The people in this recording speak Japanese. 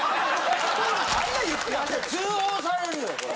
通報されるよこれ。